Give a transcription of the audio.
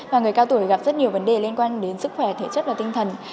và người cao tuổi gặp rất nhiều vấn đề liên quan đến sức khỏe thể chất và tinh thần